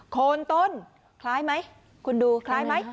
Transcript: โคนต้นคล้ายไหมคุณดูคล้ายไหม